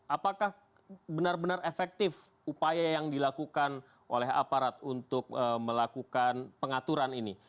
apakah benar benar efektif upaya yang dilakukan oleh aparat untuk melakukan pengaturan ini